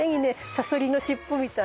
サソリの尻尾みたいに。